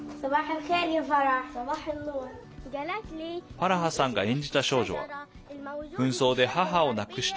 ファラハさんが演じた少女は紛争で母を亡くした